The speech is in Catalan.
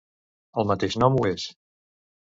El mateix nom ho és.